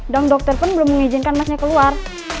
dong dokter pun belum mengizinkan masnya keluar